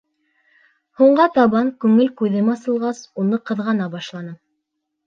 Һуңға табан, күңел күҙем асылғас, уны ҡыҙғана башланым.